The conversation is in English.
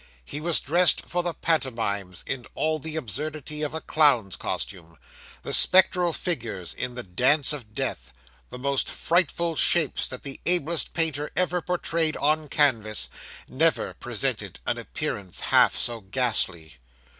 He was dressed for the pantomimes in all the absurdity of a clown's costume. The spectral figures in the Dance of Death, the most frightful shapes that the ablest painter ever portrayed on canvas, never presented an appearance half so ghastly.